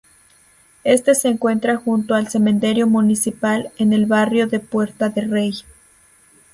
Este se encuentra junto al cementerio municipal, en el barrio de Puerta de Rey.